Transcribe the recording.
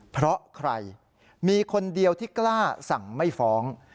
เพราะใครมีคนเดียวที่กล้าสั่งไม่ฟ้อง